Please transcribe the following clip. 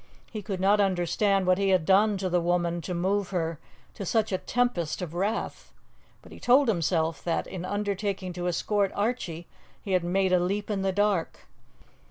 He could not understand what he had done to the woman to move her to such a tempest of wrath, but he told himself that, in undertaking to escort Archie, he had made a leap in the dark.